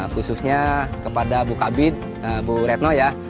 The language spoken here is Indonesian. khususnya kepada bu kabit bu retno ya